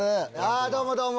どうもどうも！